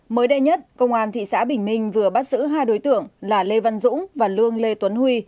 mới đây nhất công an thị xã bình minh vừa bắt giữ hai đối tượng là lê văn dũng và lương lê tuấn huy